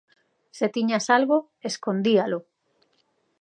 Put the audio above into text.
Se tiñas algo, escondíalo.